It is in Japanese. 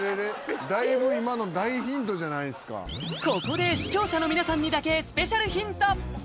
だいぶ今のここで視聴者の皆さんにだけスペシャルヒント